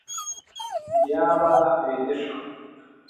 بیا به ویده شم.